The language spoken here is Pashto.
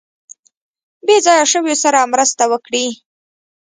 بې ځایه شویو سره مرسته وکړي.